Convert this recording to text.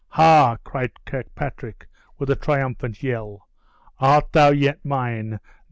"Ha!" cried Kirkpatrick, with a triumphant yell, "art thou yet mine?